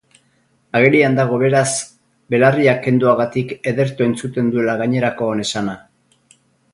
Agerian dago beraz, belarriak kenduagatik ederto entzuten duela gainerakoon esana.